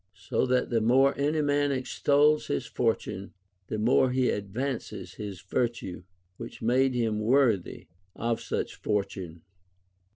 So that the more any man extols his fortune, the more he advances his vhtue, which made him worthy of such fortune.